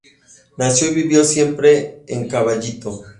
Nació y vivió siempre en Caballito.